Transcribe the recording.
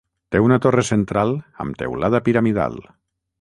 Té una torre central amb teulada piramidal.